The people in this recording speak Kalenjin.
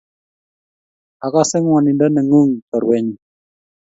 Agase gwanindo nengung, chorwenyu